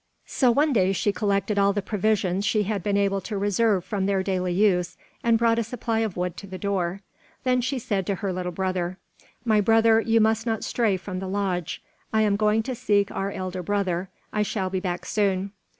So one day she collected all the provisions she had been able to reserve from their daily use and brought a supply of wood to the door. Then she said to her little brother: "My brother, you must not stray from the lodge. I am going to seek our elder brother. I shall be back soon."